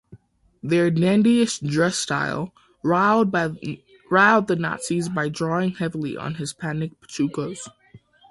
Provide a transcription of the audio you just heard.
Their dandyish dress style riled the Nazis by drawing heavily on Hispanic Pachucos.